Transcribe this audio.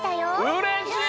うれしい！